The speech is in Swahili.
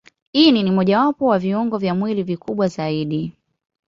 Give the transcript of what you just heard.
Ini ni mojawapo wa viungo vya mwili vikubwa zaidi.